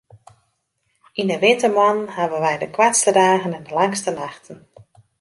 Yn 'e wintermoannen hawwe wy de koartste dagen en de langste nachten.